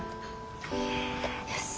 よし。